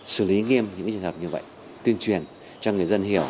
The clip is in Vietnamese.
xử lý nghiêm những trường hợp như vậy tuyên truyền cho người dân hiểu